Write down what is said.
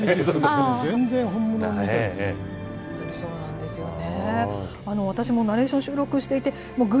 本当にそうなんですよね。